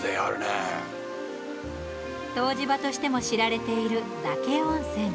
湯治場としても知られている嶽温泉。